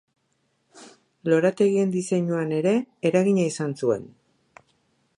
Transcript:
Lorategien diseinuan ere eragina izan zuen.